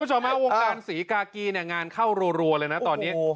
คุณผู้ชมฮะวงการศรีกากีเนี่ยงานเข้ารัวเลยนะตอนนี้